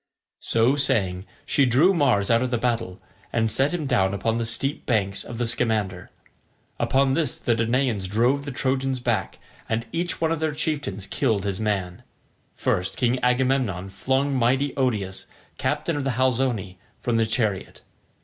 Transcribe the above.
So saying, she drew Mars out of the battle, and set him down upon the steep banks of the Scamander. Upon this the Danaans drove the Trojans back, and each one of their chieftains killed his man. First King Agamemnon flung mighty Odius, captain of the Halizoni, from his chariot.